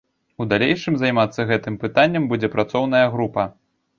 У далейшым займацца гэтым пытаннем будзе працоўная група.